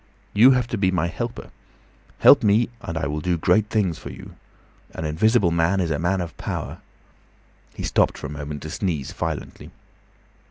You have to be my helper. Help me—and I will do great things for you. An invisible man is a man of power." He stopped for a moment to sneeze violently.